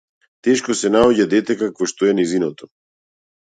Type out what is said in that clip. Тешко се наоѓа дете какво што е нејзиното.